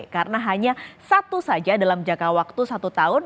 karena hanya satu saja dalam jangka waktu satu tahun